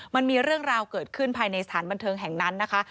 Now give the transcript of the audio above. มันมีเรื่องราวเกิดขึ้นภายในสถานบันเทิงแห่งนั้นนะคะ